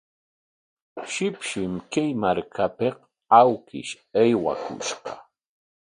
Shipshim kay markapik awkish aywakushqa.